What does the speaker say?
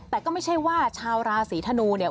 แต่ก็ไม่ใช่ว่าชาวราศีธนูเนี่ย